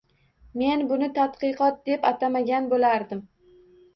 — Men buni tadqiqot deb atamagan boʻlardim.